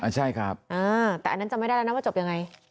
ใช่ครับแต่อันนั้นจำไม่ได้แล้วนะว่าจบยังไง